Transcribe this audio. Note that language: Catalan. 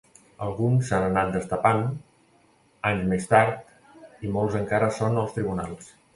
Alguns s’han anat destapant anys més tard i molts encara són als tribunals.